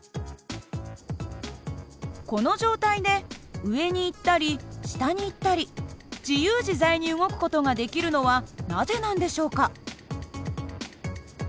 この状態で上に行ったり下に行ったり自由自在に動く事ができるのはなぜなんでしょうか？